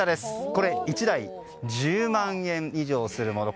これ、１台１０万円以上するもの。